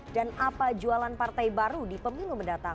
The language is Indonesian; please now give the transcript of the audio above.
dan apa jualan partai baru di pemilu mendatang